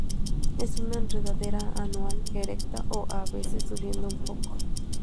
Es una enredadera anual, erecta o, a veces subiendo un poco.